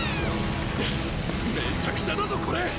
めちゃくちゃだぞこれ！